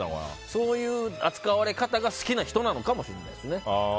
そういう扱われ方が好きな人なのかもしれないですね。